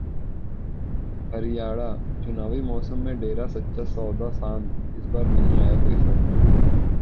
हरियाणाः चुनावी मौसम में डेरा सच्चा सौदा शांत, इस बार नहीं आया कोई फरमान!